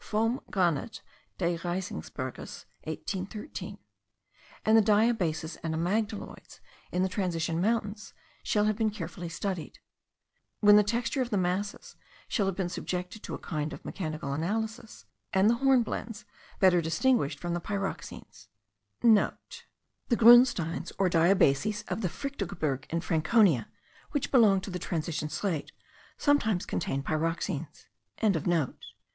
(Vom Granite des Riesengebirges, 1813.) and the diabases and amygdaloids in the transition mountains, shall have been carefully studied; when the texture of the masses shall have been subjected to a kind of mechanical analysis, and the hornblendes better distinguished from the pyroxenes,* (* The grunsteins or diabases of the Fichtelgebirge, in Franconia, which belong to the transition slate, sometimes contain pyroxenes.)